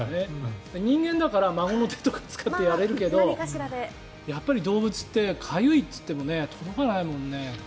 人間だから孫の手とかを使ってやれるけどやっぱり動物ってかゆいっていっても届かないもんね。